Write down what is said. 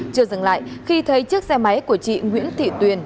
chưa dừng lại khi thấy chiếc xe máy của chị nguyễn thị tuyền